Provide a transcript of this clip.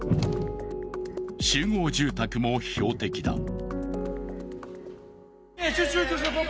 集合住宅も標的だ。